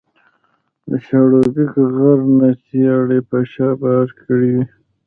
د شاړوبېک غر نه یې څېړۍ په شا بار کړې وې